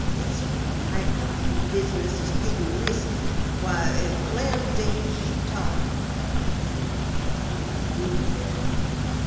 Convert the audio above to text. "This night riding business is getting risky. Why, if Clem Davis should talk " "We're not through with him yet."